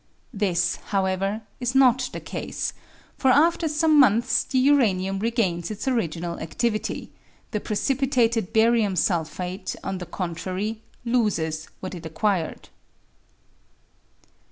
This, however, is not the case, for after some months the uranium regains its original adivity ; the precipitated barium sulphate, on the contrary, loses what it acquired.